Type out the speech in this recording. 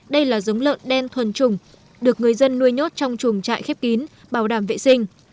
đây là giống lợn đen thuần trùng được người dân nuôi nhốt trong chuồng trại khép kín bảo đảm vệ sinh